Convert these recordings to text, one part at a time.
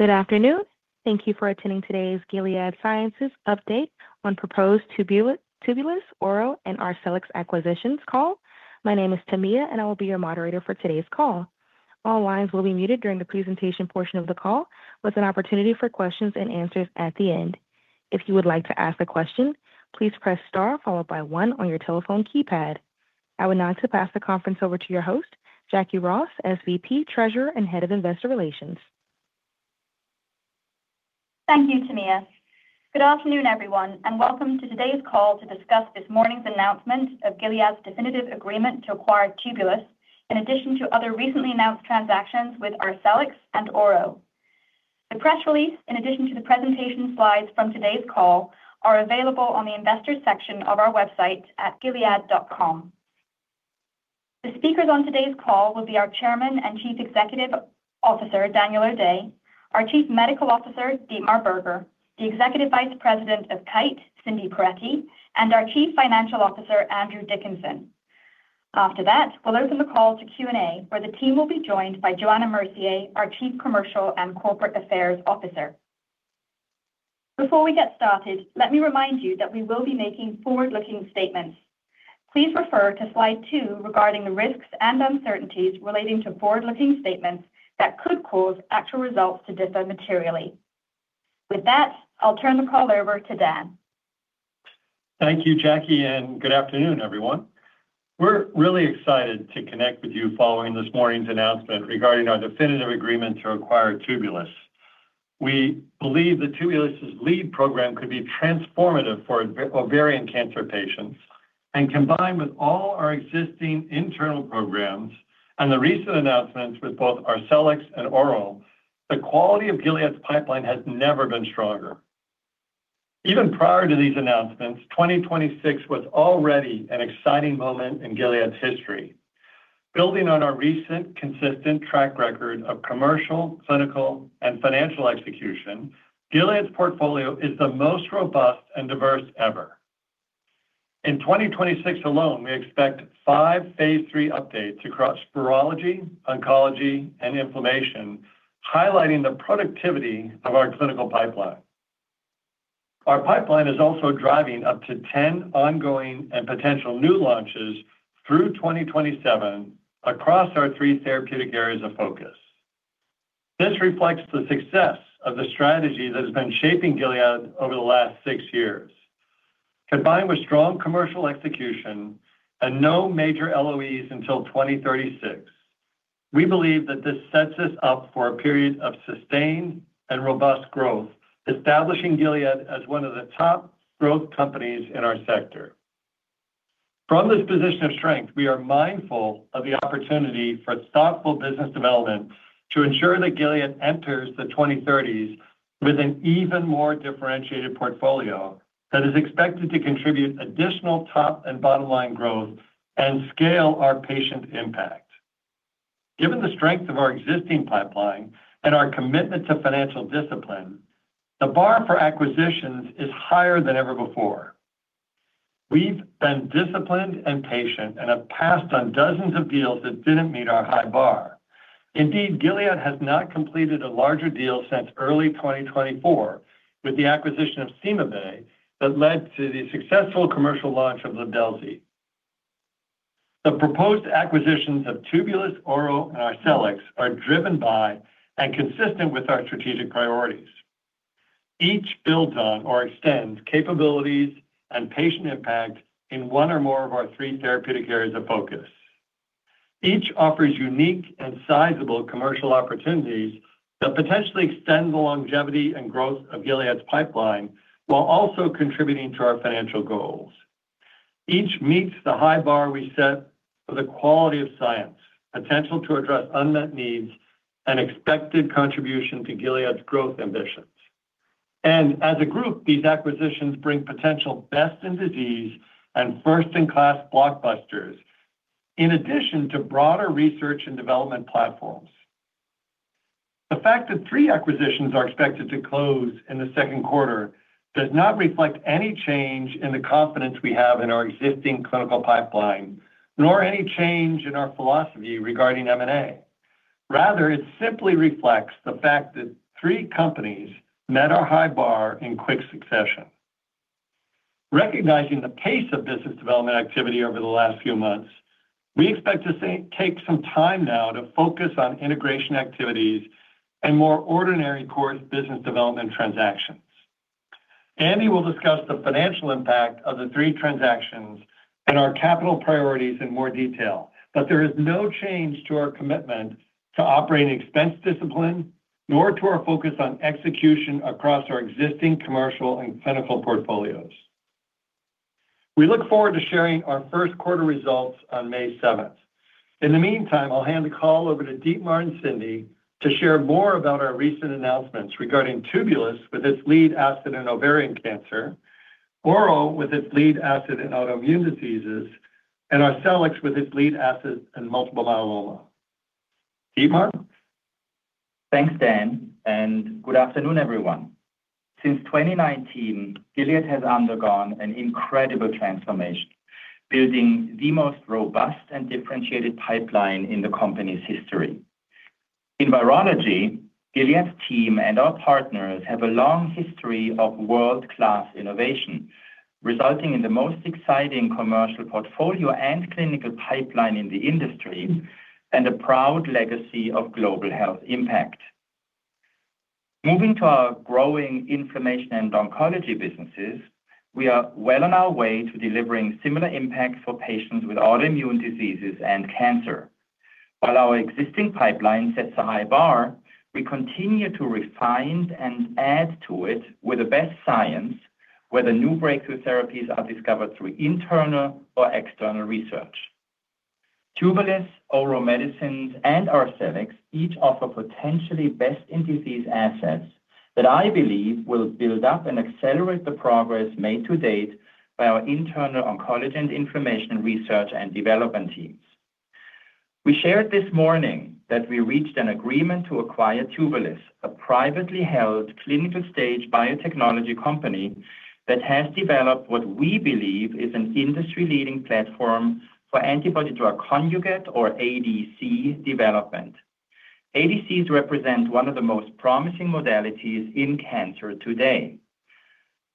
Good afternoon. Thank you for attending today's Gilead Sciences update on proposed Tubulis, Ouro, and Arcellx acquisitions call. My name is Tamia, and I will be your moderator for today's call. All lines will be muted during the presentation portion of the call with an opportunity for questions and answers at the end. If you would like to ask a question, please press star followed by one on your telephone keypad. I would now pass the conference over to your host, Jacquie Ross, SVP, Treasurer, and Head of Investor Relations. Thank you, Tamia. Good afternoon, everyone, and welcome to today's call to discuss this morning's announcement of Gilead's definitive agreement to acquire Tubulis, in addition to other recently announced transactions with Arcellx and Ouro. The press release, in addition to the presentation slides from today's call, are available on the Investors section of our website at gilead.com. The speakers on today's call will be our Chairman and Chief Executive Officer, Daniel O'Day, our Chief Medical Officer, Dietmar Berger, the Executive Vice President of Kite, Cindy Perettie, and our Chief Financial Officer, Andrew Dickinson. After that, we'll open the call to Q&A, where the team will be joined by Johanna Mercier, our Chief Commercial and Corporate Affairs Officer. Before we get started, let me remind you that we will be making forward-looking statements. Please refer to slide two regarding the risks and uncertainties relating to forward-looking statements that could cause actual results to differ materially. With that, I'll turn the call over to Dan. Thank you, Jacquie, and good afternoon, everyone. We're really excited to connect with you following this morning's announcement regarding our definitive agreement to acquire Tubulis. We believe that Tubulis' lead program could be transformative for ovarian cancer patients, and combined with all our existing internal programs and the recent announcements with both Arcellx and Ouro, the quality of Gilead's pipeline has never been stronger. Even prior to these announcements, 2026 was already an exciting moment in Gilead's history. Building on our recent consistent track record of commercial, clinical, and financial execution, Gilead's portfolio is the most robust and diverse ever. In 2026 alone, we expect five phase III updates across virology, oncology, and inflammation, highlighting the productivity of our clinical pipeline. Our pipeline is also driving up to 10 ongoing and potential new launches through 2027 across our three therapeutic areas of focus. This reflects the success of the strategy that has been shaping Gilead over the last six years. Combined with strong commercial execution and no major LOEs until 2036, we believe that this sets us up for a period of sustained and robust growth, establishing Gilead as one of the top growth companies in our sector. From this position of strength, we are mindful of the opportunity for thoughtful business development to ensure that Gilead enters the 2030s with an even more differentiated portfolio that is expected to contribute additional top and bottom line growth and scale our patient impact. Given the strength of our existing pipeline and our commitment to financial discipline, the bar for acquisitions is higher than ever before. We've been disciplined and patient and have passed on dozens of deals that didn't meet our high bar. Indeed, Gilead has not completed a larger deal since early 2024 with the acquisition of CymaBay that led to the successful commercial launch of Livdelzi. The proposed acquisitions of Tubulis, Ouro, and Arcellx are driven by and consistent with our strategic priorities. Each builds on or extends capabilities and patient impact in one or more of our three therapeutic areas of focus. Each offers unique and sizable commercial opportunities that potentially extend the longevity and growth of Gilead's pipeline while also contributing to our financial goals. Each meets the high bar we set for the quality of science, potential to address unmet needs, and expected contribution to Gilead's growth ambitions. As a group, these acquisitions bring potential best-in-disease and first-in-class blockbusters in addition to broader research and development platforms. The fact that three acquisitions are expected to close in the second quarter does not reflect any change in the confidence we have in our existing clinical pipeline, nor any change in our philosophy regarding M&A. Rather, it simply reflects the fact that three companies met our high bar in quick succession. Recognizing the pace of business development activity over the last few months, we expect to take some time now to focus on integration activities and more ordinary course business development transactions. Andy will discuss the financial impact of the three transactions and our capital priorities in more detail, but there is no change to our commitment to operating expense discipline, nor to our focus on execution across our existing commercial and clinical portfolios. We look forward to sharing our first quarter results on May 7th. In the meantime, I'll hand the call over to Dietmar and Cindy to share more about our recent announcements regarding Tubulis, with its lead asset in ovarian cancer, Ouro, with its lead asset in autoimmune diseases, and Arcellx, with its lead asset in multiple myeloma. Dietmar? Thanks, Dan, and good afternoon, everyone. Since 2019, Gilead has undergone an incredible transformation, building the most robust and differentiated pipeline in the company's history. In virology, Gilead's team and our partners have a long history of world-class innovation, resulting in the most exciting commercial portfolio and clinical pipeline in the industry and a proud legacy of global health impact. Moving to our growing inflammation and oncology businesses, we are well on our way to delivering similar impact for patients with autoimmune diseases and cancer. While our existing pipeline sets a high bar, we continue to refine and add to it with the best science, whether new breakthrough therapies are discovered through internal or external research. Tubulis, Ouro Medicines, and Arcellx each offer potentially best-in-disease assets that I believe will build up and accelerate the progress made to date by our internal oncology and inflammation research and development teams. We shared this morning that we reached an agreement to acquire Tubulis, a privately held clinical-stage biotechnology company that has developed what we believe is an industry-leading platform for antibody-drug conjugate or ADC development. ADCs represent one of the most promising modalities in cancer today.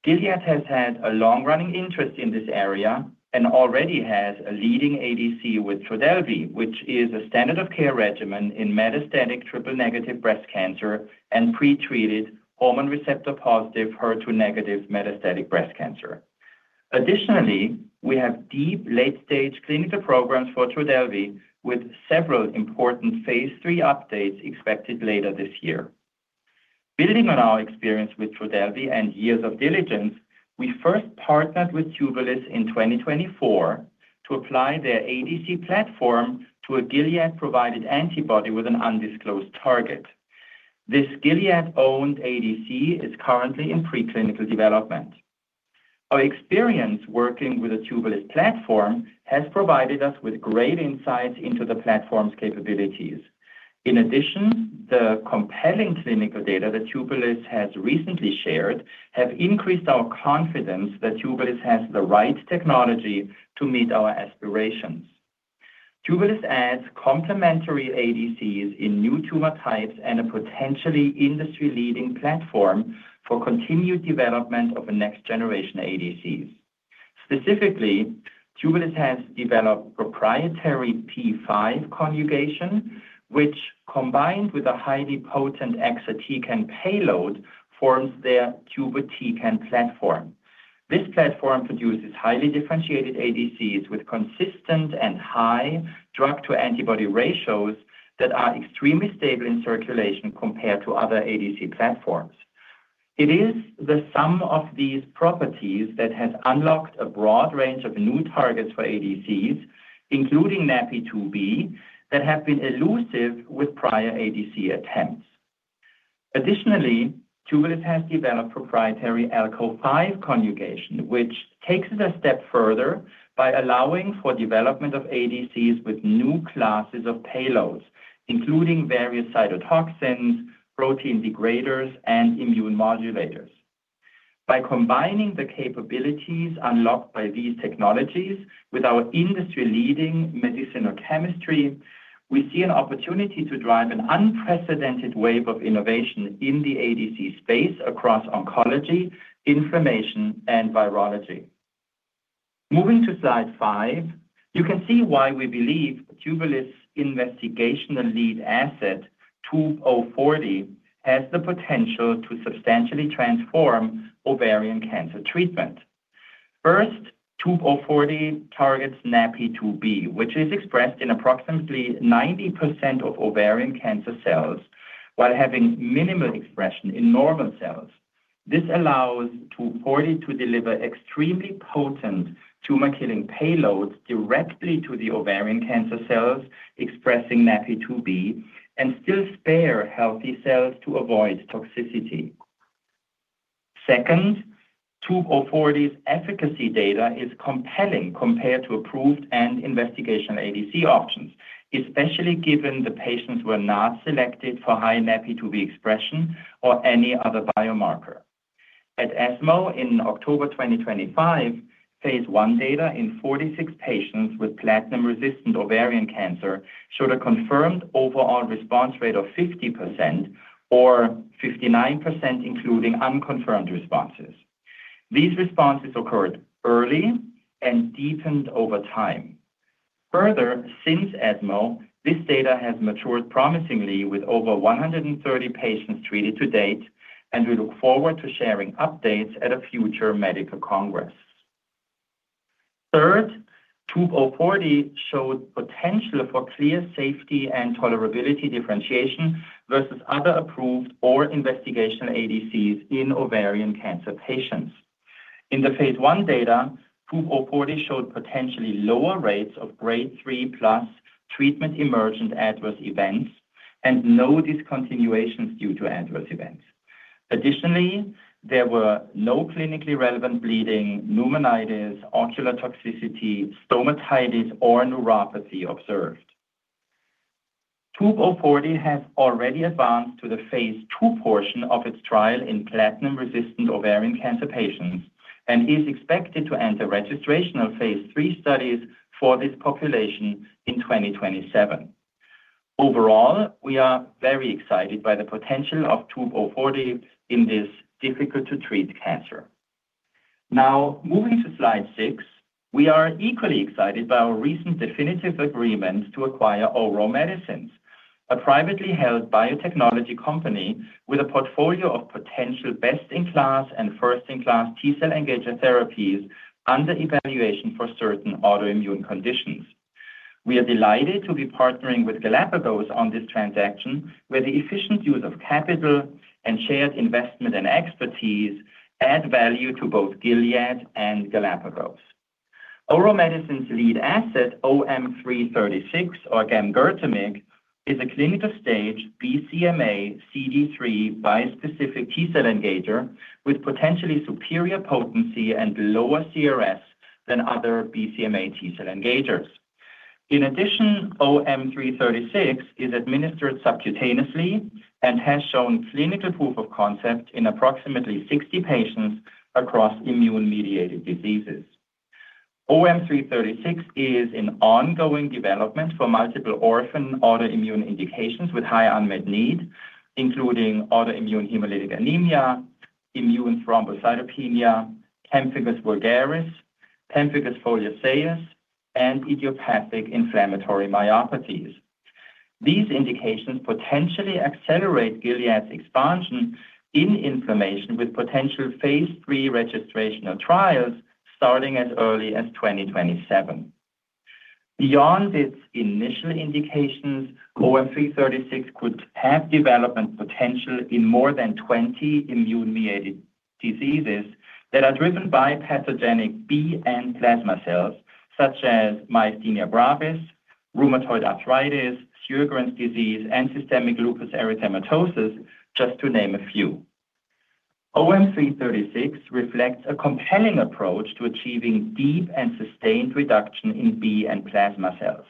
Gilead has had a long-running interest in this area and already has a leading ADC with Trodelvy, which is a standard of care regimen in metastatic triple-negative breast cancer and pre-treated hormone receptor-positive, HER2-negative metastatic breast cancer. Additionally, we have deep late-stage clinical programs for Trodelvy with several important phase III updates expected later this year. Building on our experience with Trodelvy and years of diligence, we first partnered with Tubulis in 2024 to apply their ADC platform to a Gilead-provided antibody with an undisclosed target. This Gilead-owned ADC is currently in preclinical development. Our experience working with the Tubulis platform has provided us with great insights into the platform's capabilities. In addition, the compelling clinical data that Tubulis has recently shared have increased our confidence that Tubulis has the right technology to meet our aspirations. Tubulis adds complementary ADCs in new tumor types and a potentially industry-leading platform for continued development of next-generation ADCs. Specifically, Tubulis has developed proprietary P5 conjugation, which, combined with a highly potent exatecan payload, forms their Tubutecan platform. This platform produces highly differentiated ADCs with consistent and high drug-to-antibody ratio that are extremely stable in circulation compared to other ADC platforms. It is the sum of these properties that has unlocked a broad range of new targets for ADCs, including NaPi2b, that have been elusive with prior ADC attempts. Additionally, Tubulis has developed proprietary Alco5 conjugation, which takes it a step further by allowing for development of ADCs with new classes of payloads, including various cytotoxins, protein degraders, and immune modulators. By combining the capabilities unlocked by these technologies with our industry-leading medicinal chemistry, we see an opportunity to drive an unprecedented wave of innovation in the ADC space across oncology, inflammation, and virology. Moving to slide five, you can see why we believe Tubulis' investigational lead asset, TUB-040, has the potential to substantially transform ovarian cancer treatment. First, TUB-040 targets NaPi2b, which is expressed in approximately 90% of ovarian cancer cells while having minimal expression in normal cells. This allows TUB-040 to deliver extremely potent tumor-killing payloads directly to the ovarian cancer cells expressing NaPi2b and still spare healthy cells to avoid toxicity. Second, TUB-040's efficacy data is compelling compared to approved and investigational ADC options, especially given the patients were not selected for high NaPi2b expression or any other biomarker. At ESMO in October 2025, phase I data in 46 patients with platinum-resistant ovarian cancer showed a confirmed overall response rate of 50%, or 59% including unconfirmed responses. These responses occurred early and deepened over time. Further, since ESMO, this data has matured promisingly with over 130 patients treated to date, and we look forward to sharing updates at a future medical congress. Third, TUB-040 showed potential for clear safety and tolerability differentiation versus other approved or investigational ADCs in ovarian cancer patients. In the phase I data, TUB-040 showed potentially lower rates of Grade 3 plus treatment emergent adverse events and no discontinuations due to adverse events. There were no clinically relevant bleeding, pneumonitis, ocular toxicity, stomatitis, or neuropathy observed. TUB-040 has already advanced to the phase II portion of its trial in platinum-resistant ovarian cancer patients and is expected to enter registrational phase III studies for this population in 2027. Overall, we are very excited by the potential of TUB-040 in this difficult to treat cancer. Now moving to slide six, we are equally excited by our recent definitive agreement to acquire Ouro Medicines, a privately held biotechnology company with a portfolio of potential best-in-class and first-in-class T-cell engager therapies under evaluation for certain autoimmune conditions. We are delighted to be partnering with Galapagos on this transaction, where the efficient use of capital and shared investment and expertise add value to both Gilead and Galapagos. Ouro Medicines' lead asset, OM-336 or gamgertamig, is a clinical-stage BCMA x CD3 bispecific T-cell engager with potentially superior potency and lower CRS than other BCMA T-cell engagers. In addition, OM-336 is administered subcutaneously and has shown clinical proof of concept in approximately 60 patients across immune-mediated diseases. OM-336 is in ongoing development for multiple orphan autoimmune indications with high unmet need, including autoimmune hemolytic anemia, immune thrombocytopenia, pemphigus vulgaris, pemphigus foliaceus, and idiopathic inflammatory myopathies. These indications potentially accelerate Gilead's expansion in inflammation with potential phase III registrational trials starting as early as 2027. Beyond its initial indications, OM-336 could have development potential in more than 20 immune-mediated diseases that are driven by pathogenic B and plasma cells such as myasthenia gravis, rheumatoid arthritis, Sjögren's disease, and systemic lupus erythematosus, just to name a few. OM-336 reflects a compelling approach to achieving deep and sustained reduction in B and plasma cells.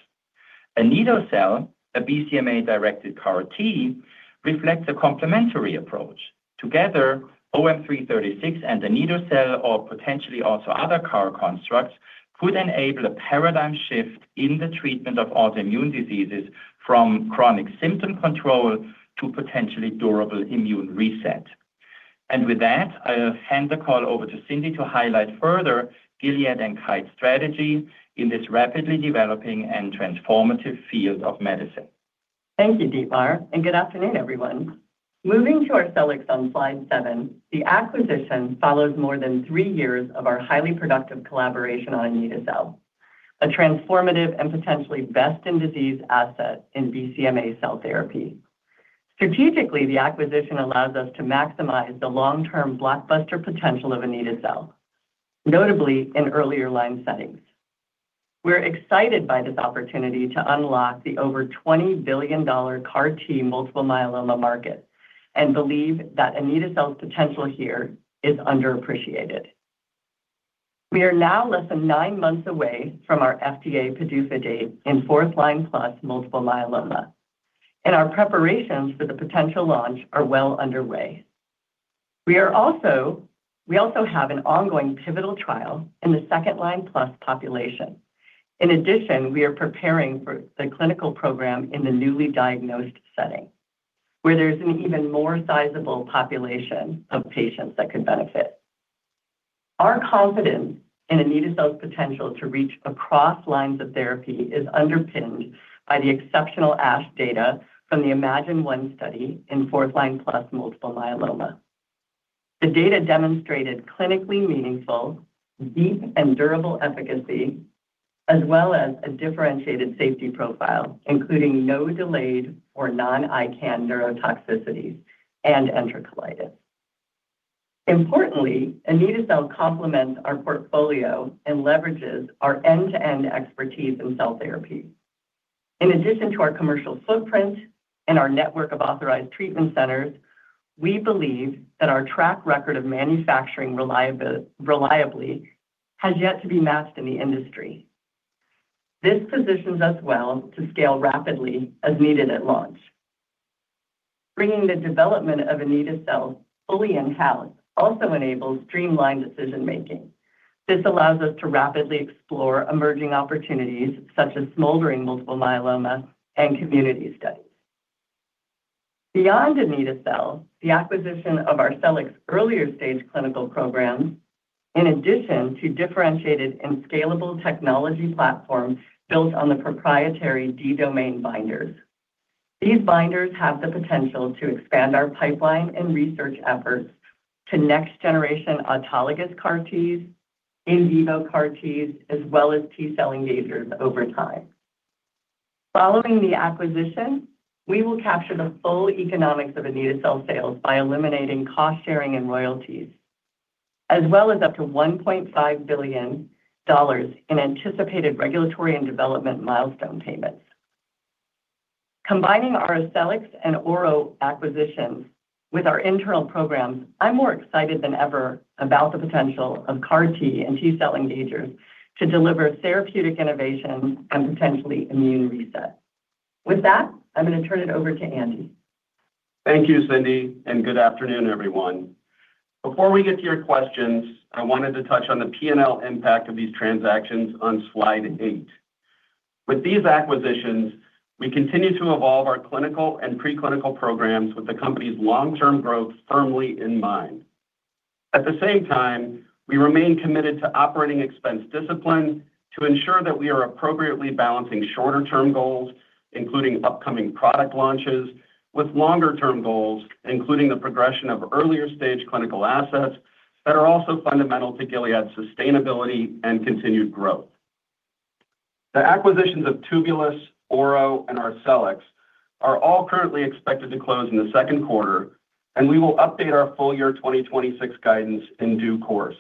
Anito-cel, a BCMA-directed CAR T, reflects a complementary approach. Together, OM-336 and anito-cel, or potentially also other CAR constructs, could enable a paradigm shift in the treatment of autoimmune diseases from chronic symptom control to potentially durable immune reset. With that, I'll hand the call over to Cindy to highlight further Gilead and Kite's strategy in this rapidly developing and transformative field of medicine. Thank you, Dietmar, and good afternoon, everyone. Moving to Arcellx on slide seven, the acquisition follows more than three years of our highly productive collaboration on anito-cel, a transformative and potentially best-in-disease asset in BCMA cell therapy. Strategically, the acquisition allows us to maximize the long-term blockbuster potential of anito-cel, notably in earlier line settings. We're excited by this opportunity to unlock the over $20 billion CAR T multiple myeloma market and believe that anito-cel's potential here is underappreciated. We are now less than nine months away from our FDA PDUFA date in fourth line-plus multiple myeloma, and our preparations for the potential launch are well underway. We also have an ongoing pivotal trial in the second line-plus population. In addition, we are preparing for the clinical program in the newly diagnosed setting, where there's an even more sizable population of patients that could benefit. Our confidence in anito-cel's potential to reach across lines of therapy is underpinned by the exceptional ASH data from the iMMagine-1 study in fourth line-plus multiple myeloma. The data demonstrated clinically meaningful, deep, and durable efficacy, as well as a differentiated safety profile, including no delayed or non-ICANS neurotoxicities and enterocolitis. Importantly, anito-cel complements our portfolio and leverages our end-to-end expertise in cell therapy. In addition to our commercial footprint and our network of authorized treatment centers, we believe that our track record of manufacturing reliably has yet to be matched in the industry. This positions us well to scale rapidly as needed at launch. Bringing the development of anito-cel fully in-house also enables streamlined decision-making. This allows us to rapidly explore emerging opportunities such as smoldering multiple myeloma and community studies. Beyond anito-cel, the acquisition of Arcellx early-stage clinical programs, in addition to differentiated and scalable technology platforms built on the proprietary D-Domain binders. These binders have the potential to expand our pipeline and research efforts to next-generation autologous CAR Ts, in vivo CAR Ts, as well as T-cell engagers over time. Following the acquisition, we will capture the full economics of anito-cel sales by eliminating cost-sharing and royalties, as well as up to $1.5 billion in anticipated regulatory and development milestone payments. Combining our Arcellx and Ouro acquisitions With our internal programs, I'm more excited than ever about the potential of CAR T and T-cell engagers to deliver therapeutic innovation and potentially immune reset. With that, I'm going to turn it over to Andy. Thank you, Cindy, and good afternoon, everyone. Before we get to your questions, I wanted to touch on the P&L impact of these transactions on slide eight. With these acquisitions, we continue to evolve our clinical and pre-clinical programs with the company's long-term growth firmly in mind. At the same time, we remain committed to operating expense discipline to ensure that we are appropriately balancing shorter term goals, including upcoming product launches, with longer term goals, including the progression of earlier stage clinical assets that are also fundamental to Gilead's sustainability and continued growth. The acquisitions of Tubulis, Ouro, and Arcellx are all currently expected to close in the second quarter, and we will update our full year 2026 guidance in due course.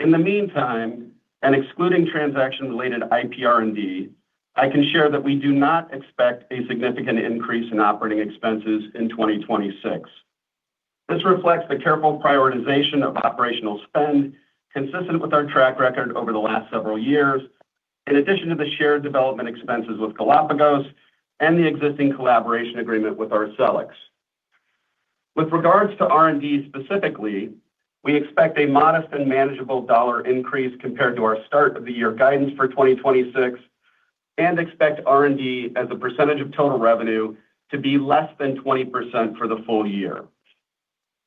In the meantime, and excluding transaction-related IPR&D, I can share that we do not expect a significant increase in operating expenses in 2026. This reflects the careful prioritization of operational spend consistent with our track record over the last several years, in addition to the shared development expenses with Galapagos and the existing collaboration agreement with Arcellx. With regards to R&D specifically, we expect a modest and manageable dollar increase compared to our start of the year guidance for 2026 and expect R&D as a percentage of total revenue to be less than 20% for the full year.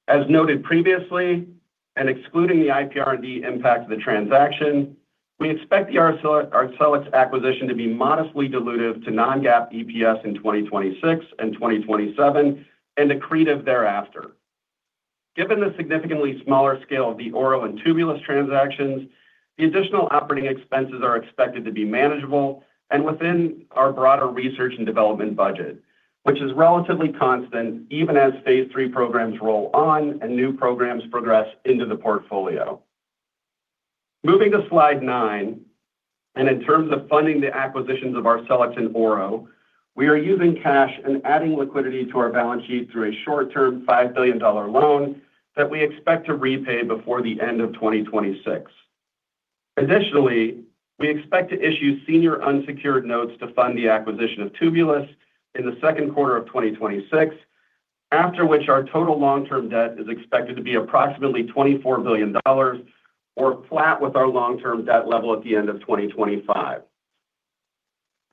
As noted previously, and excluding the IPR&D impact of the transaction, we expect the Arcellx acquisition to be modestly dilutive to non-GAAP EPS in 2026 and 2027, and accretive thereafter. Given the significantly smaller scale of the Ouro and Tubulis transactions, the additional operating expenses are expected to be manageable and within our broader research and development budget, which is relatively constant even as phase III programs roll on and new programs progress into the portfolio. Moving to slide nine, in terms of funding the acquisitions of Arcellx and Ouro, we are using cash and adding liquidity to our balance sheet through a short-term $5 billion loan that we expect to repay before the end of 2026. Additionally, we expect to issue senior unsecured notes to fund the acquisition of Tubulis in the second quarter of 2026, after which our total long-term debt is expected to be approximately $24 billion or flat with our long-term debt level at the end of 2025.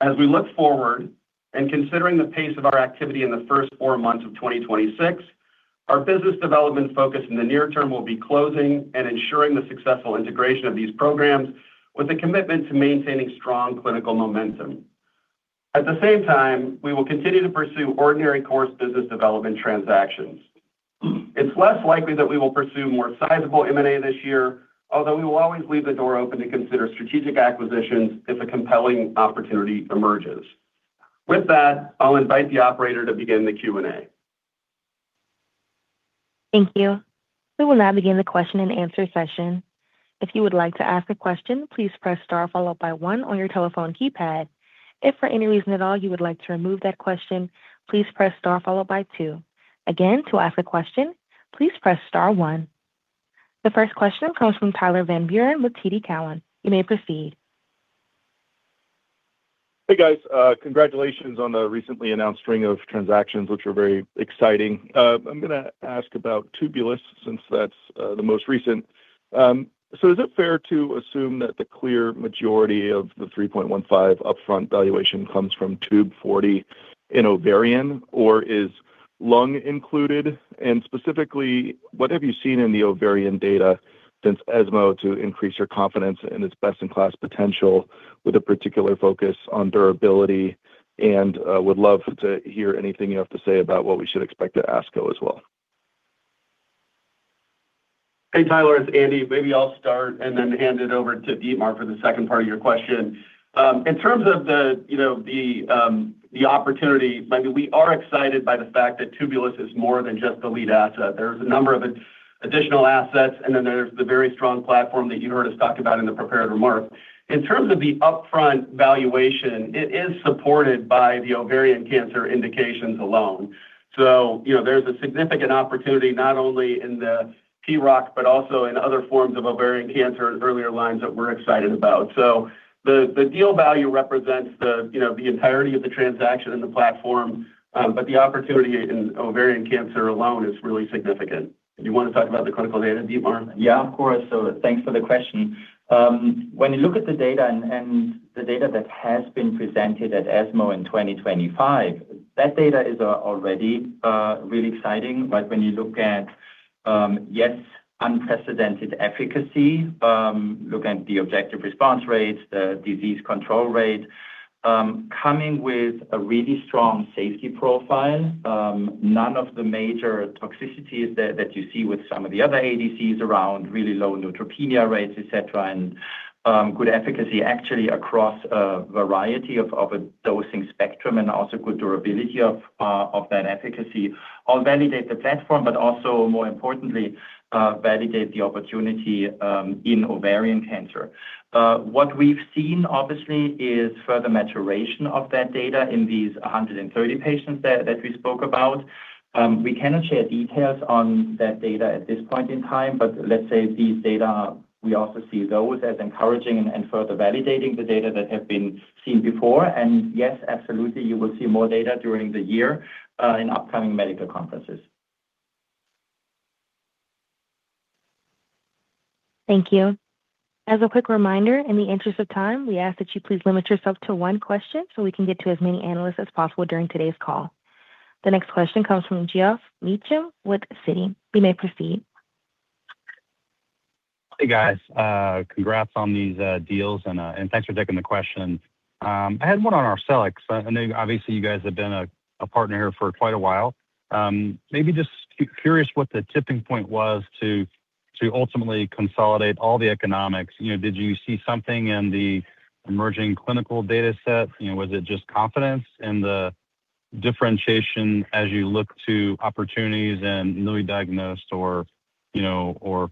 As we look forward and considering the pace of our activity in the first four months of 2026, our business development focus in the near term will be closing and ensuring the successful integration of these programs with a commitment to maintaining strong clinical momentum. At the same time, we will continue to pursue ordinary course business development transactions. It's less likely that we will pursue more sizable M&A this year, although we will always leave the door open to consider strategic acquisitions if a compelling opportunity emerges. With that, I'll invite the operator to begin the Q&A. Thank you. We will now begin the question-and-answer session. The first question comes from Tyler Van Buren with TD Cowen. You may proceed. Hey, guys. Congratulations on the recently announced string of transactions, which are very exciting. I'm going to ask about Tubulis since that's the most recent. Is it fair to assume that the clear majority of the $3.15 upfront valuation comes from TUB-040 in ovarian or is lung included? And specifically, what have you seen in the ovarian data since ESMO to increase your confidence in its best-in-class potential with a particular focus on durability? And would love to hear anything you have to say about what we should expect at ASCO as well. Hey, Tyler, it's Andy. Maybe I'll start and then hand it over to Dietmar for the second part of your question. In terms of the opportunity, we are excited by the fact that Tubulis is more than just the lead asset. There's a number of additional assets, and then there's the very strong platform that you heard us talk about in the prepared remarks. In terms of the upfront valuation, it is supported by the ovarian cancer indications alone. There's a significant opportunity not only in the PROC, but also in other forms of ovarian cancer in earlier lines that we're excited about. The deal value represents the entirety of the transaction and the platform, but the opportunity in ovarian cancer alone is really significant. You want to talk about the clinical data, Dietmar? Yeah, of course. Thanks for the question. When you look at the data and the data that has been presented at ESMO in 2025, that data is already really exciting. When you look at, yes, unprecedented efficacy, look at the objective response rates, the disease control rate, coming with a really strong safety profile. None of the major toxicities that you see with some of the other ADCs around really low neutropenia rates, et cetera, and good efficacy actually across a variety of a dosing spectrum and also good durability of that efficacy, all validate the platform, but also more importantly, validate the opportunity in ovarian cancer. What we've seen, obviously, is further maturation of that data in these 130 patients that we spoke about. We cannot share details on that data at this point in time, but let's say these data, we also see those as encouraging and further validating the data that have been seen before. Yes, absolutely, you will see more data during the year in upcoming medical conferences. Thank you. As a quick reminder, in the interest of time, we ask that you please limit yourself to one question so we can get to as many analysts as possible during today's call. The next question comes from Geoff Meacham with Citi. You may proceed. Hey, guys. Congrats on these deals, and thanks for taking the question. I had one on Arcellx. I know obviously you guys have been a partner here for quite a while. Maybe just curious what the tipping point was to ultimately consolidate all the economics. Did you see something in the emerging clinical data set? Was it just confidence in the differentiation as you looked to opportunities in newly diagnosed or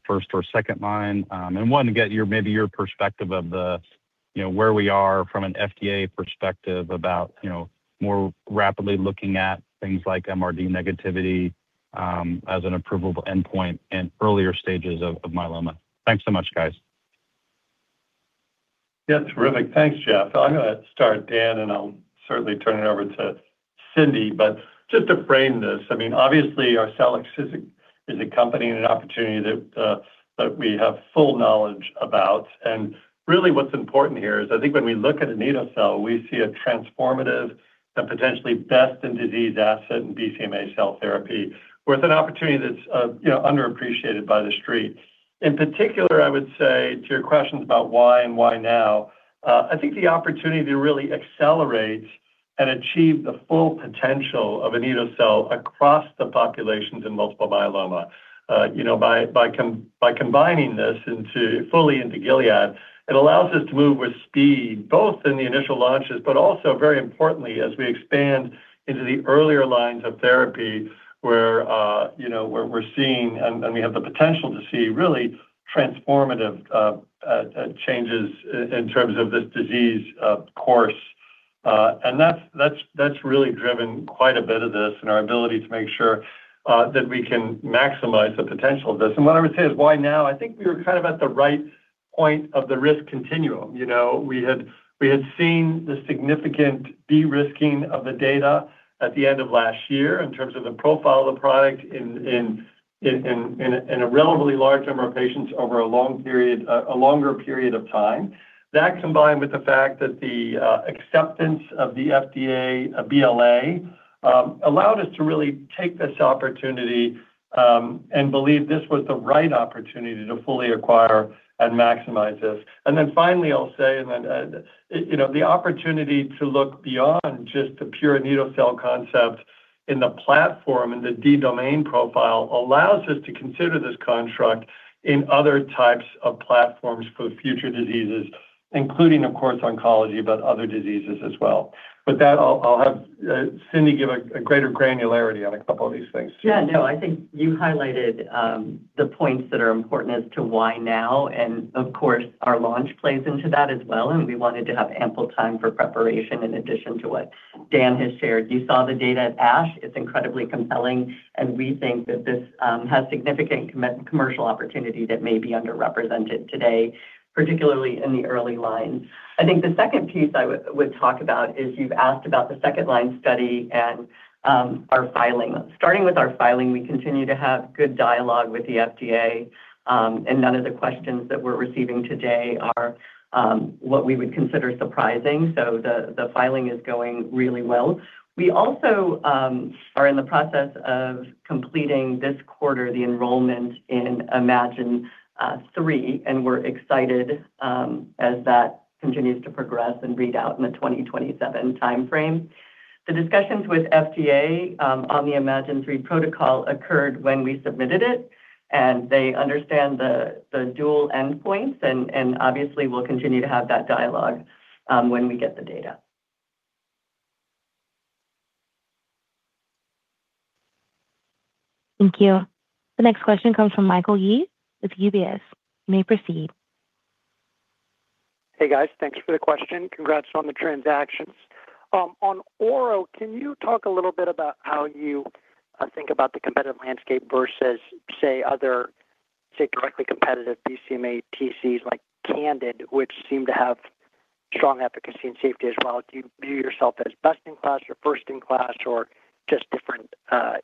first or second-line? Wanted to get maybe your perspective of where we are from an FDA perspective about more rapidly looking at things like MRD negativity as an approvable endpoint in earlier stages of myeloma. Thanks so much, guys. Yeah. Terrific. Thanks, Geoff. I'm going to start, Dan, and I'll certainly turn it over to Cindy. Just to frame this, obviously Arcellx is a company and an opportunity that we have full knowledge about. Really what's important here is, I think when we look at anito-cel, we see a transformative and potentially best-in-disease asset in BCMA cell therapy with an opportunity that's underappreciated by The Street. In particular, I would say, to your questions about why and why now, I think the opportunity to really accelerate and achieve the full potential of anito-cel across the populations in multiple myeloma. By combining this fully into Gilead, it allows us to move with speed, both in the initial launches, but also, very importantly, as we expand into the earlier lines of therapy, where we're seeing, and we have the potential to see really transformative changes in terms of this disease course. That's really driven quite a bit of this and our ability to make sure that we can maximize the potential of this. What I would say is why now, I think we were at the right point of the risk continuum. We had seen the significant de-risking of the data at the end of last year in terms of the profile of the product in a relatively large number of patients over a longer period of time. That, combined with the fact that the acceptance of the FDA BLA, allowed us to really take this opportunity, and believe this was the right opportunity to fully acquire and maximize this. Then finally, I'll say, and then the opportunity to look beyond just the pure immunocell concept in the platform and the D-Domain profile allows us to consider this construct in other types of platforms for future diseases, including, of course, oncology, but other diseases as well. With that, I'll have Cindy give a greater granularity on a couple of these things. Yeah, no. I think you highlighted the points that are important as to why now, and of course, our launch plays into that as well, and we wanted to have ample time for preparation in addition to what Dan has shared. You saw the data at ASH. It's incredibly compelling, and we think that this has significant commercial opportunity that may be underrepresented today, particularly in the early lines. I think the second piece I would talk about is, you've asked about the second line study and our filing. Starting with our filing, we continue to have good dialogue with the FDA, and none of the questions that we're receiving today are what we would consider surprising. The filing is going really well. We also are in the process of completing this quarter, the enrollment in iMMagine-3, and we're excited as that continues to progress and read out in the 2027 timeframe. The discussions with FDA on the iMMagine-3 protocol occurred when we submitted it, and they understand the dual endpoints, and obviously we'll continue to have that dialogue when we get the data. Thank you. The next question comes from Michael Yee with UBS. You may proceed. Hey, guys. Thanks for the question. Congrats on the transactions. On Ouro, can you talk a little bit about how you think about the competitive landscape versus, say, other, say, directly competitive BCMA TCs, like Candid, which seem to have strong efficacy and safety as well? Do you view yourself as best in class or first in class or just different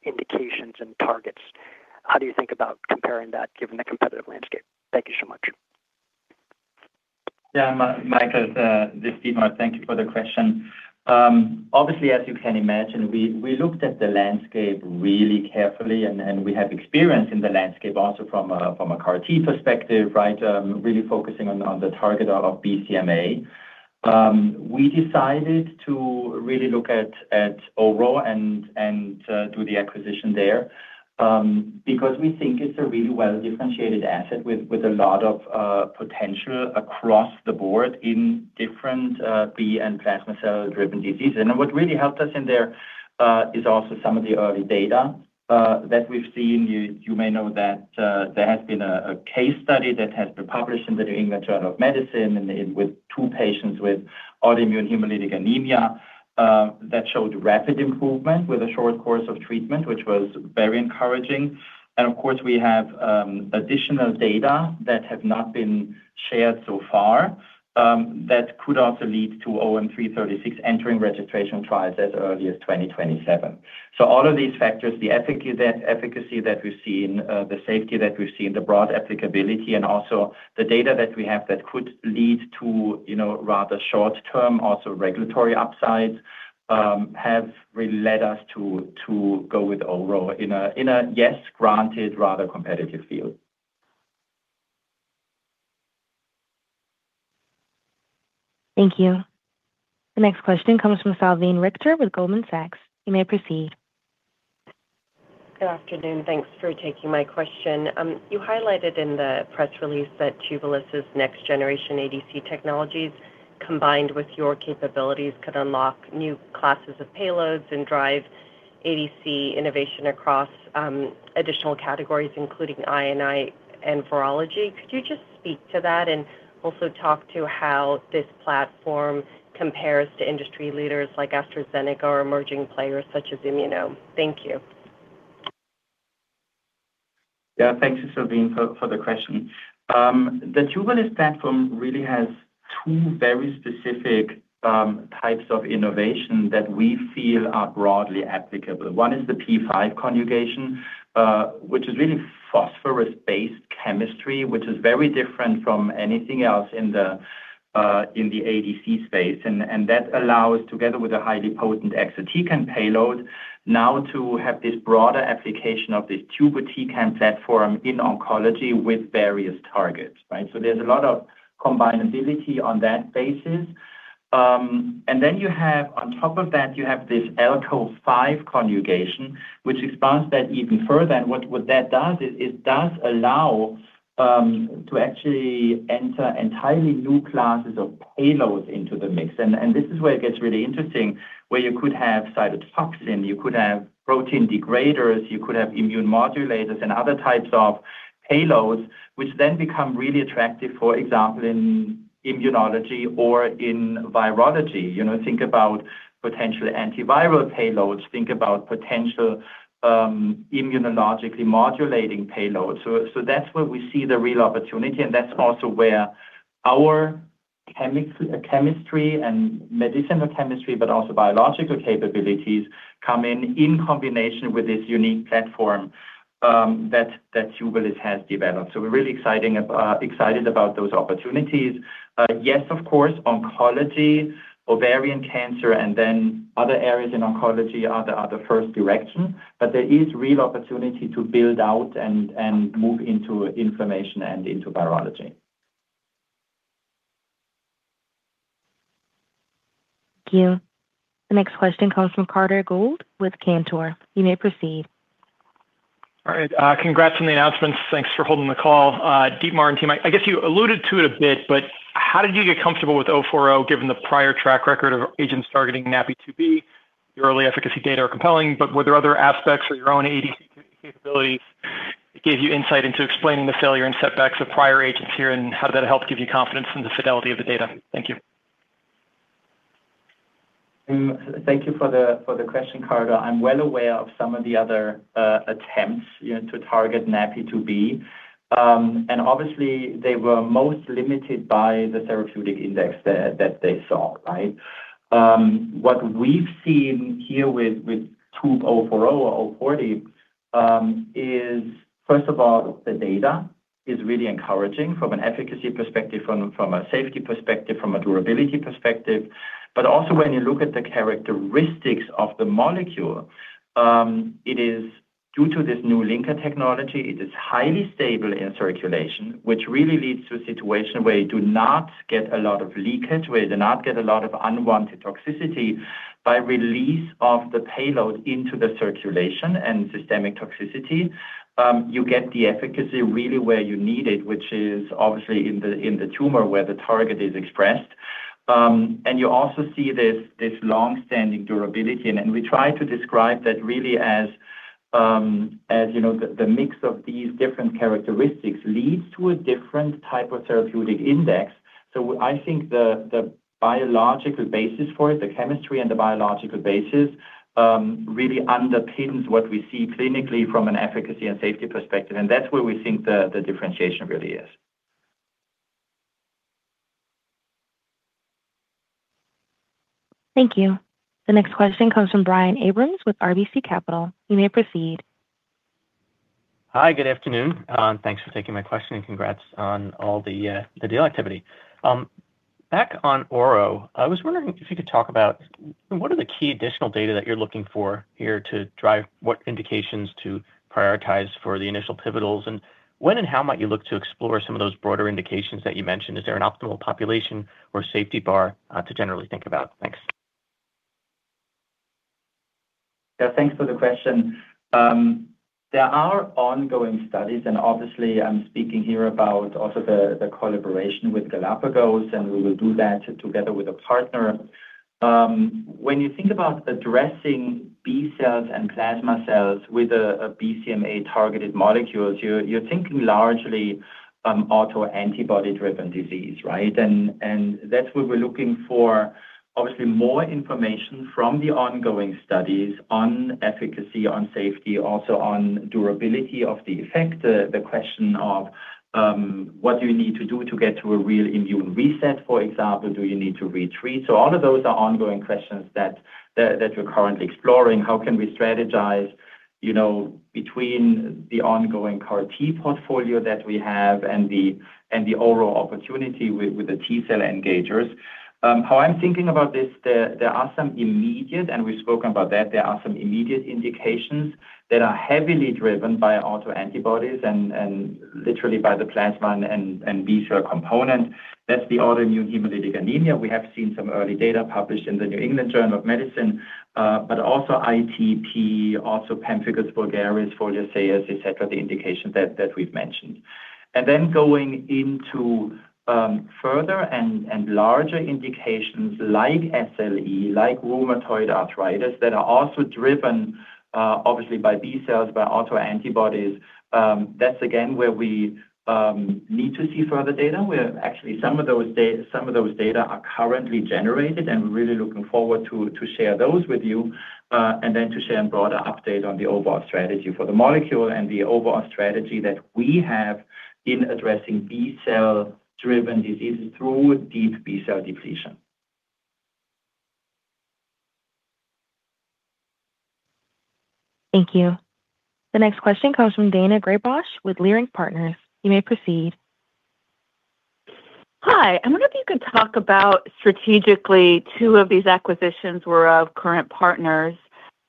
indications and targets? How do you think about comparing that given the competitive landscape? Thank you so much. Yeah. Michael, this is Dietmar. Thank you for the question. Obviously, as you can imagine, we looked at the landscape really carefully, and we have experience in the landscape also from a CAR T perspective, right? Really focusing on the target of BCMA. We decided to really look at Ouro and do the acquisition there because we think it's a really well-differentiated asset with a lot of potential across the board in different B and plasma cell-driven diseases. What really helped us in there is also some of the early data that we've seen. You may know that there has been a case study that has been published in the "New England Journal of Medicine" with two patients with autoimmune hemolytic anemia. That showed rapid improvement with a short course of treatment, which was very encouraging. Of course, we have additional data that have not been shared so far that could also lead to OM-336 entering registration trials as early as 2027. All of these factors, the efficacy that we've seen, the safety that we've seen, the broad applicability, and also the data that we have that could lead to rather short-term, also regulatory upsides, have really led us to go with Ouro in a, yes, granted, rather competitive field. Thank you. The next question comes from Salveen Richter with Goldman Sachs. You may proceed. Good afternoon. Thanks for taking my question. You highlighted in the press release that Tubulis' next generation ADC technologies, combined with your capabilities, could unlock new classes of payloads and drive ADC innovation across additional categories, including I&I and virology. Could you just speak to that and also talk to how this platform compares to industry leaders like AstraZeneca or emerging players such as Immunomedics? Thank you. Yeah. Thank you, Salveen, for the question. The Tubulis platform really has two very specific types of innovation that we feel are broadly applicable. One is the P5 conjugation, which is really phosphorus-based chemistry, which is very different from anything else in the ADC space. That allows, together with a highly potent exatecan payload, now to have this broader application of this Tubutecan platform in oncology with various targets. Right? There's a lot of combinability on that basis. Then you have, on top of that, you have this Alco5 conjugation, which expands that even further. What that does is it does allow to actually enter entirely new classes of payloads into the mix. This is where it gets really interesting, where you could have cytotoxin, you could have protein degraders, you could have immune modulators and other types of payloads, which then become really attractive, for example, in immunology or in virology. Think about potential antiviral payloads, think about potential immunologically modulating payloads. That's where we see the real opportunity, and that's also where our chemistry and medicinal chemistry, but also biological capabilities come in combination with this unique platform that Tubulis has developed. We're really excited about those opportunities. Yes, of course, oncology, ovarian cancer, and then other areas in oncology are the first direction. There is real opportunity to build out and move into inflammation and into virology. Thank you. The next question comes from Carter Gould with Cantor. You may proceed. All right. Congrats on the announcements. Thanks for holding the call. Dietmar and team, I guess you alluded to it a bit, but how did you get comfortable with TUB-040 given the prior track record of agents targeting NaPi2b? Your early efficacy data are compelling, but were there other aspects or your own ADC capabilities that gave you insight into explaining the failure and setbacks of prior agents here, and how did that help give you confidence in the fidelity of the data? Thank you. Thank you for the question, Carter. I'm well aware of some of the other attempts to target NaPi2b, and obviously they were most limited by the therapeutic index that they saw, right? What we've seen here with TUB-040 is, first of all, the data is really encouraging from an efficacy perspective, from a safety perspective, from a durability perspective. But also when you look at the characteristics of the molecule, it is due to this new linker technology. It is highly stable in circulation, which really leads to a situation where you do not get a lot of leakage, where you do not get a lot of unwanted toxicity by release of the payload into the circulation and systemic toxicity. You get the efficacy really where you need it, which is obviously in the tumor where the target is expressed. You also see this long-standing durability. We try to describe that really as the mix of these different characteristics leads to a different type of therapeutic index. I think the biological basis for it, the chemistry and the biological basis really underpins what we see clinically from an efficacy and safety perspective, and that's where we think the differentiation really is. Thank you. The next question comes from Brian Abrahams with RBC Capital. You may proceed. Hi, good afternoon. Thanks for taking my question, and congrats on all the deal activity. Back on Ouro, I was wondering if you could talk about what are the key additional data that you're looking for here to drive what indications to prioritize for the initial pivotals, and when and how might you look to explore some of those broader indications that you mentioned. Is there an optimal population or safety bar to generally think about? Thanks. Yeah, thanks for the question. There are ongoing studies, and obviously I'm speaking here about also the collaboration with Galapagos, and we will do that together with a partner. When you think about addressing B cells and plasma cells with a BCMA-targeted molecule, you're thinking largely autoantibody-driven disease, right? And that's where we're looking for, obviously, more information from the ongoing studies on efficacy, on safety, also on durability of the effect. The question of what do you need to do to get to a real immune reset, for example, do you need to retreat? So all of those are ongoing questions that we're currently exploring. How can we strategize between the ongoing CAR T portfolio that we have and the overall opportunity with the T-cell engagers? How I'm thinking about this. There are some immediate indications, and we've spoken about that are heavily driven by autoantibodies and literally by the plasma and B cell component. That's the autoimmune hemolytic anemia. We have seen some early data published in "The New England Journal of Medicine," but also ITP, also pemphigus vulgaris, pemphigus foliaceus, etc., the indications that we've mentioned. Then going into further and larger indications like SLE, like rheumatoid arthritis, that are also driven, obviously by B cells, by autoantibodies. That's again where we need to see further data. Some of those data are currently being generated, and we're really looking forward to sharing those with you. Then to share a broader update on the overall strategy for the molecule and the overall strategy that we have in addressing B cell-driven diseases through deep B cell depletion. Thank you. The next question comes from Daina Graybosch with Leerink Partners. You may proceed. Hi, I wonder if you could talk about strategically, two of these acquisitions were of current partners,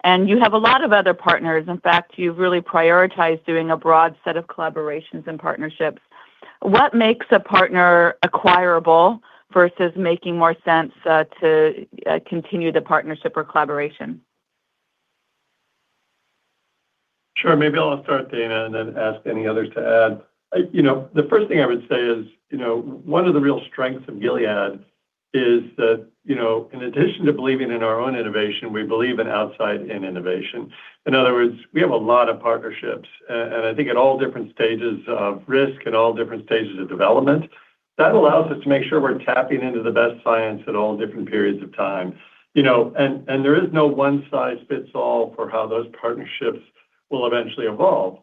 and you have a lot of other partners. In fact, you've really prioritized doing a broad set of collaborations and partnerships. What makes a partner acquirable versus making more sense to continue the partnership or collaboration? Sure. Maybe I'll start, Daina, and then ask any others to add. The first thing I would say is, one of the real strengths of Gilead is that, in addition to believing in our own innovation, we believe in outside-in innovation. In other words, we have a lot of partnerships. I think at all different stages of risk, at all different stages of development, that allows us to make sure we're tapping into the best science at all different periods of time. There is no one-size-fits-all for how those partnerships will eventually evolve.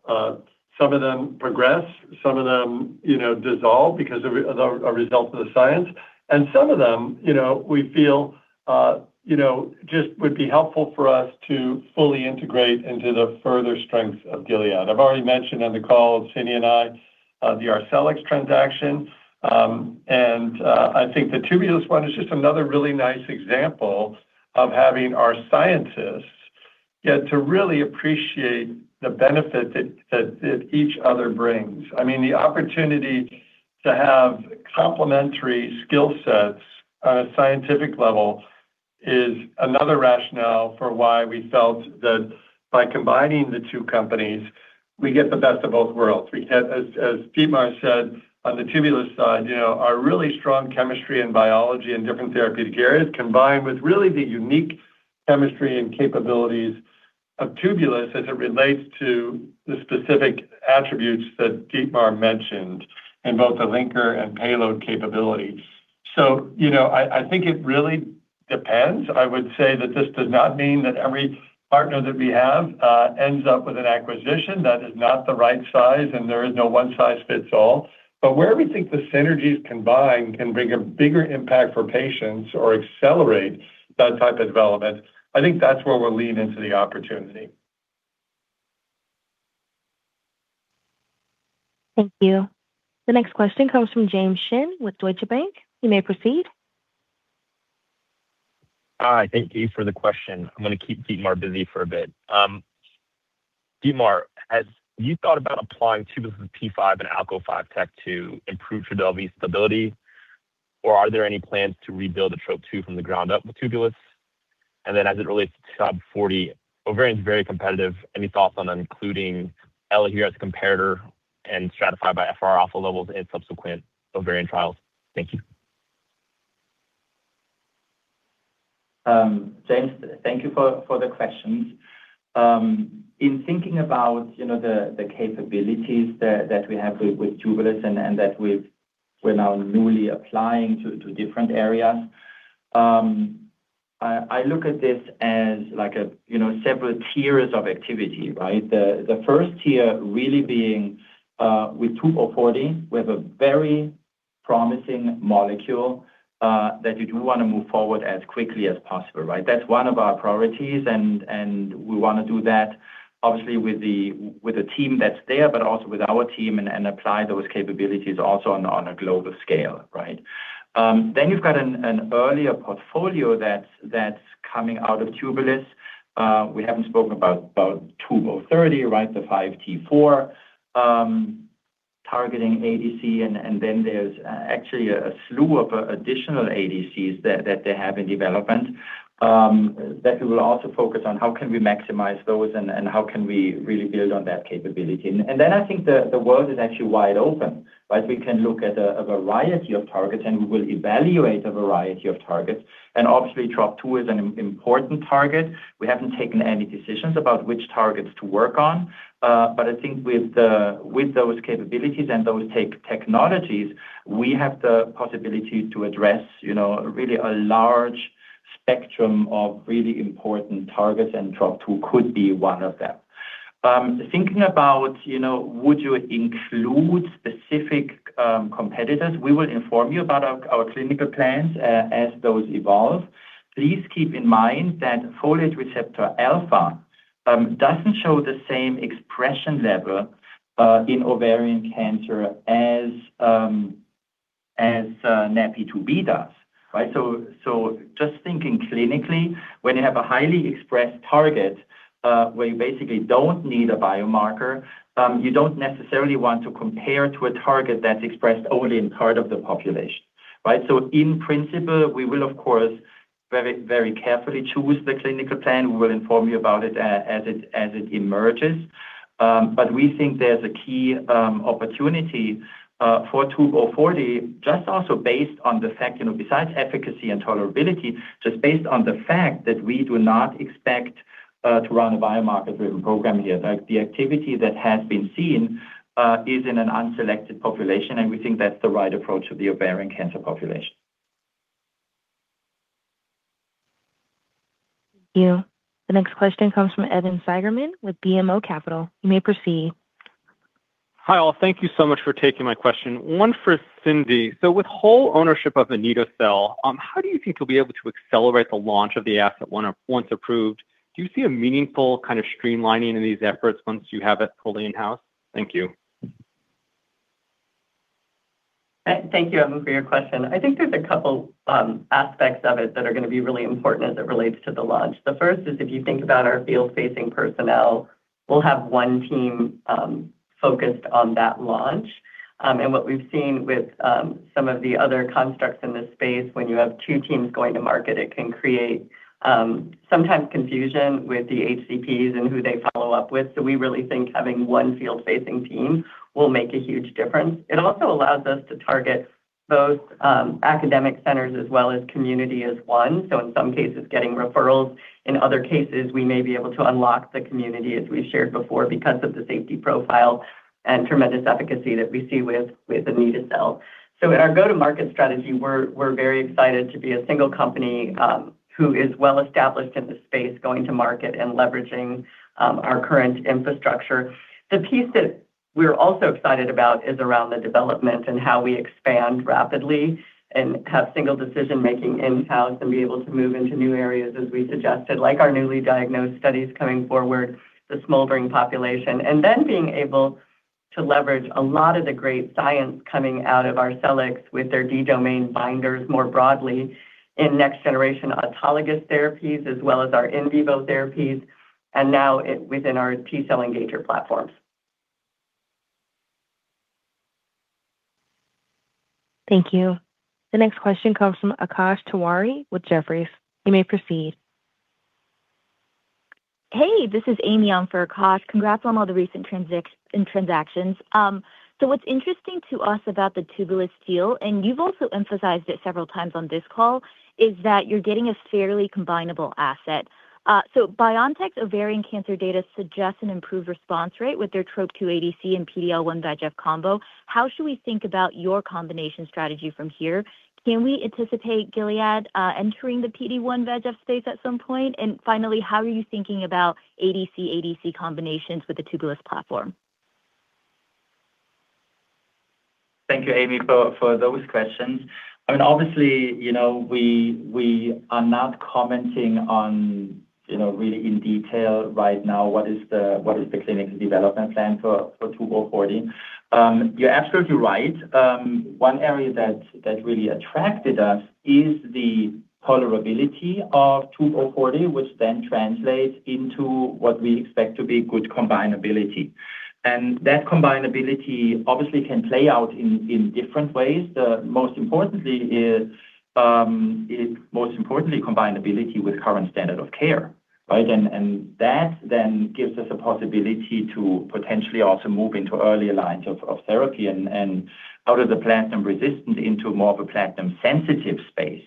Some of them progress, some of them dissolve because of a result of the science. Some of them we feel just would be helpful for us to fully integrate into the further strength of Gilead. I've already mentioned on the call, Cindy and I, the Arcellx transaction. I think the Tubulis one is just another really nice example of having our scientists get to really appreciate the benefit that each other brings. I mean, the opportunity to have complementary skill sets on a scientific level is another rationale for why we felt that by combining the two companies, we get the best of both worlds. As Dietmar said, on the Tubulis side, our really strong chemistry and biology in different therapeutic areas, combined with really the unique chemistry and capabilities of Tubulis as it relates to the specific attributes that Dietmar mentioned in both the linker and payload capability. I think it really depends. I would say that this does not mean that every partner that we have ends up with an acquisition. That is not the right size, and there is no one-size-fits-all. Where we think the synergies combined can bring a bigger impact for patients or accelerate that type of development, I think that's where we'll lean into the opportunity. Thank you. The next question comes from James Shin with Deutsche Bank. You may proceed. Hi, thank you for the question. I'm going to keep Dietmar busy for a bit. Dietmar, have you thought about applying Tubulis' P5 and Alco5 tech to improve Trodelvy stability, or are there any plans to rebuild Trop-2 from the ground up with Tubulis? As it relates to TUB-040, ovarian is very competitive. Any thoughts on including LHRH as a comparator and stratify by FRα levels in subsequent ovarian trials? Thank you. James, thank you for the questions. In thinking about the capabilities that we have with Tubulis and that we're now newly applying to different areas. I look at this as several tiers of activity, right? The first tier really being with TUB-040, we have a very promising molecule that you do want to move forward as quickly as possible, right? That's one of our priorities, and we want to do that obviously with the team that's there, but also with our team and apply those capabilities also on a global scale, right? Then you've got an earlier portfolio that's coming out of Tubulis. We haven't spoken about TUB-030, right? The 5T4, targeting ADC, and then there's actually a slew of additional ADCs that they have in development. That we will also focus on how can we maximize those and how can we really build on that capability. Then I think the world is actually wide open, right? We can look at a variety of targets, and we will evaluate a variety of targets. Obviously, Trop-2 is an important target. We haven't taken any decisions about which targets to work on. I think with those capabilities and those technologies, we have the possibility to address really a large spectrum of really important targets, and Trop-2 could be one of them. Thinking about would you include specific competitors, we will inform you about our clinical plans as those evolve. Please keep in mind that Folate receptor alpha doesn't show the same expression level in ovarian cancer as NaPi2b does. Right? So just thinking clinically, when you have a highly expressed target, where you basically don't need a biomarker, you don't necessarily want to compare to a target that's expressed only in part of the population. Right? In principle, we will, of course, very carefully choose the clinical plan. We will inform you about it as it emerges. We think there's a key opportunity for TUB-040, just also based on the fact, besides efficacy and tolerability, just based on the fact that we do not expect to run a biomarker-driven program here. The activity that has been seen is in an unselected population, and we think that's the right approach for the ovarian cancer population. Thank you. The next question comes from Evan Seigerman with BMO Capital. You may proceed. Hi, all. Thank you so much for taking my question. One for Cindy. With whole ownership of anito-cel, how do you think you'll be able to accelerate the launch of the asset once approved? Do you see a meaningful kind of streamlining in these efforts once you have it fully in-house? Thank you. Thank you, Evan, for your question. I think there's a couple aspects of it that are going to be really important as it relates to the launch. The first is if you think about our field-facing personnel, we'll have one team focused on that launch. What we've seen with some of the other constructs in this space, when you have two teams going to market, it can create sometimes confusion with the HCPs and who they follow up with. We really think having one field-facing team will make a huge difference. It also allows us to target both academic centers as well as community as one. In some cases, getting referrals, in other cases, we may be able to unlock the community, as we shared before, because of the safety profile and tremendous efficacy that we see with anito-cel. In our go-to-market strategy, we're very excited to be a single company who is well established in the space, going to market and leveraging our current infrastructure. The piece that we're also excited about is around the development and how we expand rapidly and have single decision-making in-house and be able to move into new areas as we suggested, like our newly diagnosed studies coming forward, the smoldering population, and then being able to leverage a lot of the great science coming out of Arcellx with their D-Domain binders more broadly in next generation autologous therapies as well as our in vivo therapies, and now within our T-cell engager platforms. Thank you. The next question comes from Akash Tewari with Jefferies. You may proceed. Hey, this is Amy on for Akash Tewari. Congrats on all the recent transactions. What's interesting to us about the Tubulis deal, and you've also emphasized it several times on this call, is that you're getting a fairly combinable asset. BioNTech's ovarian cancer data suggests an improved response rate with their Trop-2 ADC and PD-L1 VEGF combo. How should we think about your combination strategy from here? Can we anticipate Gilead entering the PD-1 VEGF space at some point? And finally, how are you thinking about ADC/ADC combinations with the Tubulis platform? Thank you, Amy, for those questions. I mean, obviously, we are not commenting on really in detail right now what is the clinical development plan for TUB-040. You're absolutely right. One area that really attracted us is the tolerability of TUB-040, which then translates into what we expect to be good combinability. That combinability obviously can play out in different ways. Most importantly, combinability with current standard of care, right? That then gives us a possibility to potentially also move into earlier lines of therapy and out of the platinum resistant into more of a platinum sensitive space.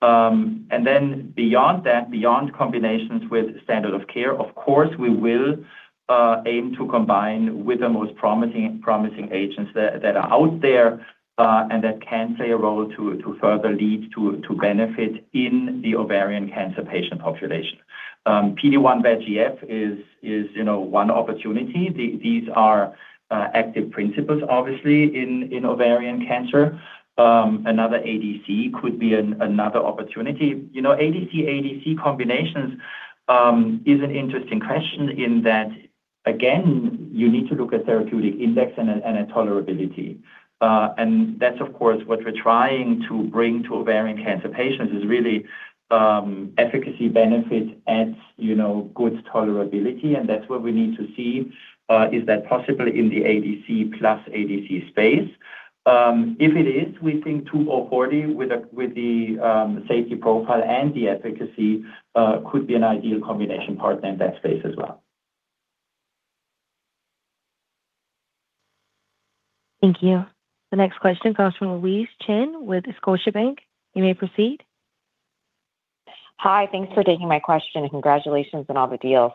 Beyond that, beyond combinations with standard of care, of course, we will aim to combine with the most promising agents that are out there and that can play a role to further lead to benefit in the ovarian cancer patient population. PD-1 VEGF is one opportunity. These are active principles, obviously, in ovarian cancer. Another ADC could be another opportunity. ADC/ADC combinations is an interesting question in that, again, you need to look at therapeutic index and at tolerability. That's, of course, what we're trying to bring to ovarian cancer patients is really efficacy benefit at good tolerability, and that's what we need to see is that possibly in the ADC plus ADC space. If it is, we think TUB-040 with the safety profile and the efficacy could be an ideal combination partner in that space as well. Thank you. The next question comes from Louise Chen with Scotiabank. You may proceed. Hi. Thanks for taking my question, and congratulations on all the deals.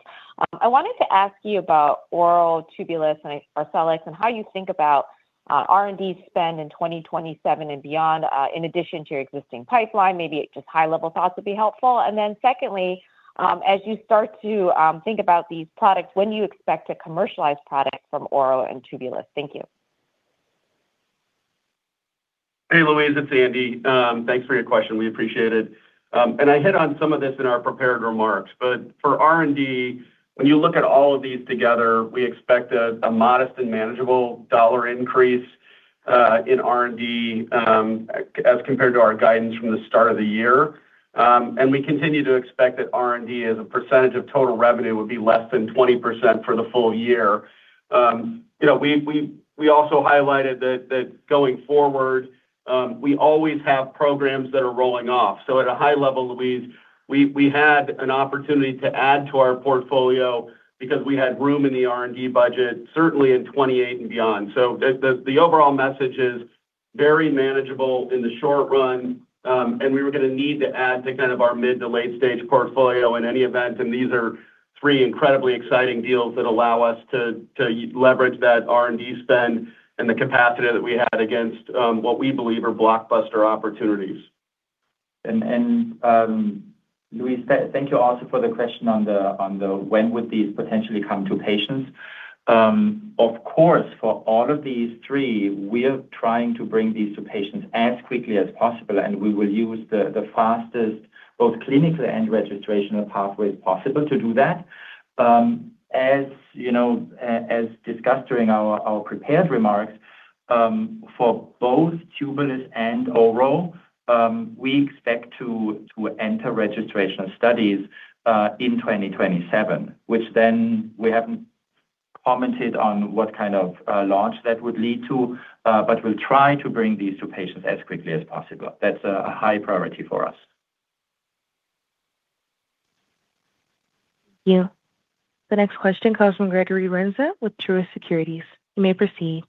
I wanted to ask you about Ouro, Tubulis, and Arcellx and how you think about R&D spend in 2027 and beyond in addition to your existing pipeline. Maybe just high-level thoughts would be helpful. Secondly, as you start to think about these products, when do you expect to commercialize products from Ouro and Tubulis? Thank you. Hey, Louise. It's Andy. Thanks for your question. We appreciate it. I hit on some of this in our prepared remarks, but for R&D, when you look at all of these together, we expect a modest and manageable dollar increase in R&D as compared to our guidance from the start of the year. We continue to expect that R&D as a percentage of total revenue will be less than 20% for the full year. We also highlighted that going forward, we always have programs that are rolling off. At a high level, Louise, we had an opportunity to add to our portfolio because we had room in the R&D budget, certainly in 2028 and beyond. The overall message is very manageable in the short run, and we were going to need to add to kind of our mid to late-stage portfolio in any event, and these are three incredibly exciting deals that allow us to leverage that R&D spend and the capacity that we had against, what we believe are blockbuster opportunities. Louise, thank you also for the question on the when would these potentially come to patients. Of course, for all of these three, we are trying to bring these to patients as quickly as possible, and we will use the fastest, both clinical and registrational pathways possible to do that. As discussed during our prepared remarks, for both Tubulis and Ouro, we expect to enter registrational studies, in 2027, which then we haven't commented on what kind of launch that would lead to. We'll try to bring these to patients as quickly as possible. That's a high priority for us. Thank you. The next question comes from Gregory Renza with Truist Securities. You may proceed.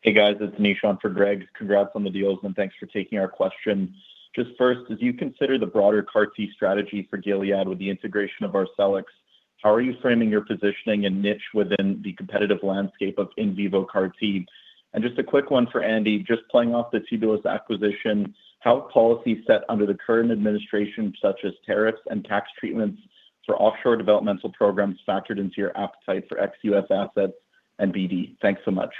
Hey, guys. It's Nishant for Greg. Congrats on the deals, and thanks for taking our question. Just first, as you consider the broader CAR T strategy for Gilead with the integration of Arcellx, how are you framing your positioning and niche within the competitive landscape of in vivo CAR T? Just a quick one for Andy, just playing off the Tubulis acquisition, how policy set under the current administration, such as tariffs and tax treatments for offshore developmental programs factored into your appetite for ex-U.S. Assets and BD. Thanks so much.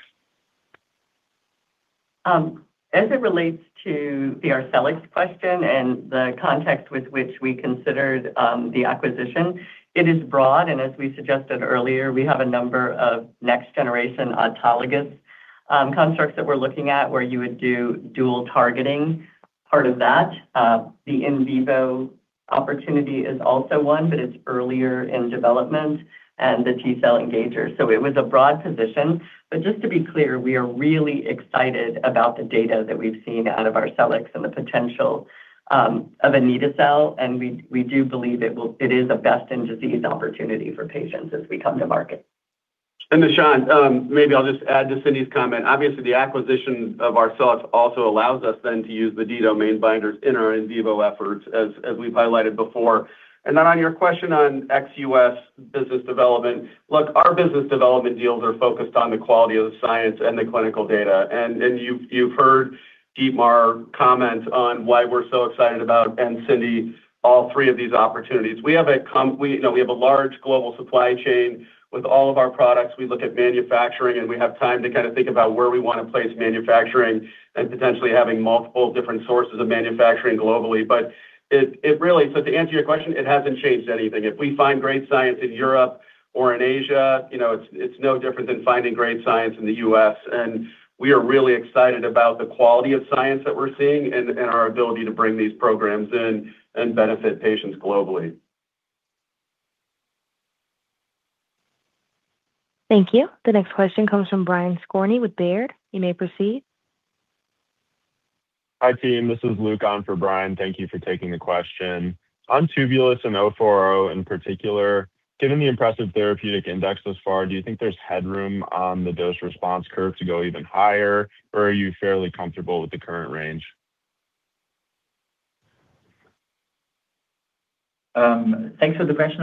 As it relates to the Arcellx question and the context with which we considered the acquisition, it is broad, and as we suggested earlier, we have a number of next-generation autologous constructs that we're looking at where you would do dual targeting part of that. The in vivo opportunity is also one, but it's earlier in development and the T-cell engager. It was a broad position. Just to be clear, we are really excited about the data that we've seen out of Arcellx and the potential of anito-cel, and we do believe it is a best-in-disease opportunity for patients as we come to market. Nishant, maybe I'll just add to Cindy's comment. Obviously, the acquisition of Arcellx also allows us then to use the D-Domain binders in our in vivo efforts as we've highlighted before. Then on your question on ex-U.S. business development, look, our business development deals are focused on the quality of the science and the clinical data. You've heard Dietmar comment on why we're so excited about, and Cindy, all three of these opportunities. We have a large global supply chain with all of our products. We look at manufacturing, and we have time to think about where we want to place manufacturing and potentially having multiple different sources of manufacturing globally. To answer your question, it hasn't changed anything. If we find great science in Europe or in Asia, it's no different than finding great science in the U.S., and we are really excited about the quality of science that we're seeing and our ability to bring these programs in and benefit patients globally. Thank you. The next question comes from Brian Skorney with Baird. You may proceed. Hi, team. This is Luke on for Brian. Thank you for taking the question. On Tubulis and TUB-040 in particular, given the impressive therapeutic index thus far, do you think there's headroom on the dose response curve to go even higher, or are you fairly comfortable with the current range? Thanks for the question.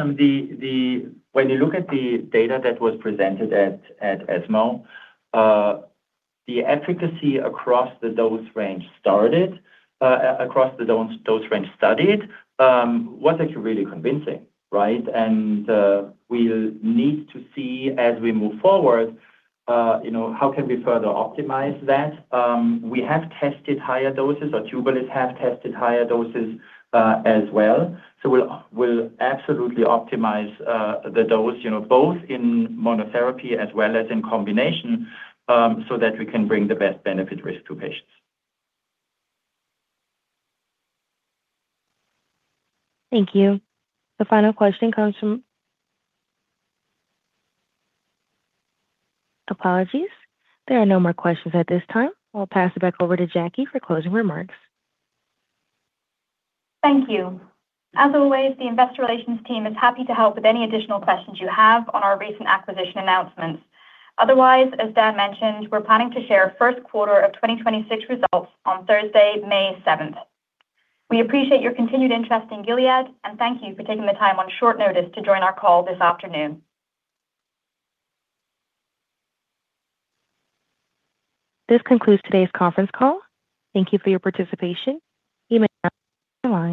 When you look at the data that was presented at ESMO, the efficacy across the dose range studied was actually really convincing, right? We'll need to see as we move forward how we can further optimize that. We have tested higher doses, or Tubulis has tested higher doses as well. We'll absolutely optimize the dose both in monotherapy as well as in combination, so that we can bring the best benefit risk to patients. Thank you. Apologies. There are no more questions at this time. I'll pass it back over to Jacquie for closing remarks. Thank you. As always, the investor relations team is happy to help with any additional questions you have on our recent acquisition announcements. Otherwise, as Dan mentioned, we're planning to share first quarter of 2026 results on Thursday, May 7th. We appreciate your continued interest in Gilead, and thank you for taking the time on short notice to join our call this afternoon. This concludes today's conference call. Thank you for your participation. You may now disconnect your line.